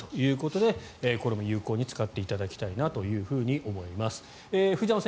こういったものもあるということでこれも有効に使っていただきたいと思います。